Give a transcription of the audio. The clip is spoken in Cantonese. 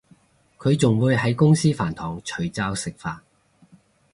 佢仲會喺公司飯堂除罩食飯